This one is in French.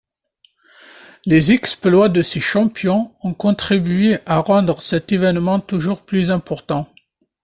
Les exploits de ces champions ont contribué à rendre cet événement toujours plus important.